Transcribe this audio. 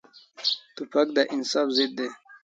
توپک د انصاف ضد دی.